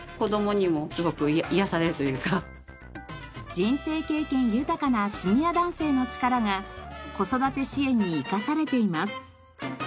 人生経験豊かなシニア男性の力が子育て支援に生かされています。